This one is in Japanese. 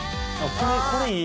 「これこれいい！」